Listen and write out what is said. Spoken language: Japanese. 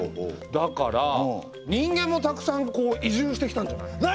だから人間もたくさん移住してきたんじゃない？